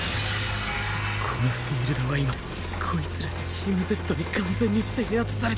このフィールドは今こいつらチーム Ｚ に完全に制圧されてる！